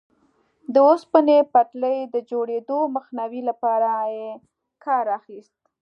د اوسپنې پټلۍ د جوړېدو مخنیوي لپاره یې کار اخیست.